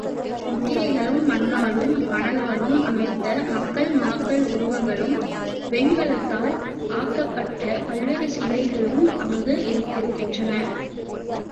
முத்திரைகளும் மண்ணாலும், மணலாலும் அமைத்த மக்கள், மாக்கள் உருவங்களும், வெண்கலத்தால் ஆக்கப்பட்ட பல்வேறு சிலைகளும் அங்கு இருந்திருக்கின்றன.